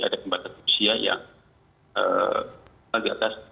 ada kembang kembang rusia yang di bawah enam puluh lima